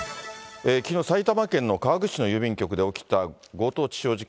きのう、埼玉県の川口市の郵便局で起きた強盗致傷事件。